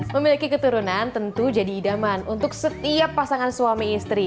memiliki keturunan tentu jadi idaman untuk setiap pasangan suami istri